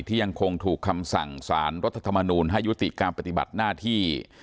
ยังคงถูกคำสั่งสารรัฐธรรมนูลให้ยุติการปฏิบัติหน้าที่